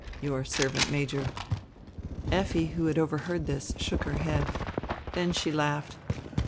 "Your servant, Major." Effi, who had overheard this, shook her head. Then she laughed.